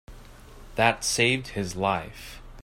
That saved his life.